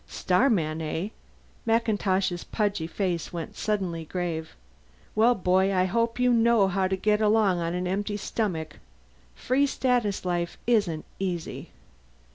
"Starman, eh?" MacIntosh's pudgy face went suddenly grave. "Well, boy, I hope you know how to get along on an empty stomach. Free Status life isn't easy."